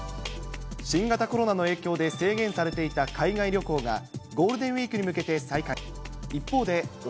新型コロナの影響で制限されていた海外旅行が、ゴールデンウィークに向けて再開。